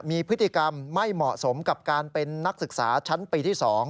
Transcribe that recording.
มีพฤติกรรมไม่เหมาะสมกับการเป็นนักศึกษาชั้นปีที่๒